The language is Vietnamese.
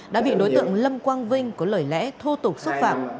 đã bị đối tượng lâm quang vinh có lời lẽ thô tục xúc phạm